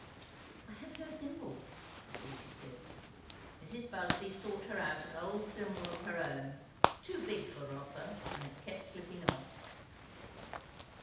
"I have no thimble, " was all she said. Mrs. Busby sought her out an old thimble of her own, too big for Rotha, and it kept slipping off.